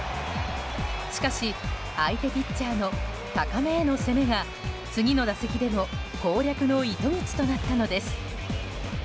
しかし、相手ピッチャーの高めへの攻めが次の打席での攻略の糸口となったのです。